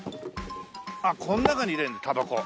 あっこの中に入れるんだタバコ。